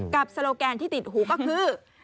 โซโลแกนที่ติดหูก็คือ